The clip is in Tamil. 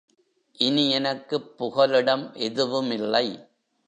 இனி எனக்குப் புகலிடம் எதுவுமில்லை.